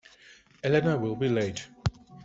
Elena will be late.